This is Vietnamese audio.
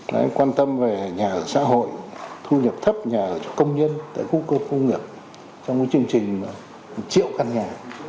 đấy quan tâm về nhà xã hội thu nhập thấp nhà công nhân tài quốc công nghiệp trong một chương trình triệu căn nhà